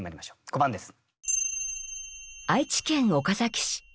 ５番です。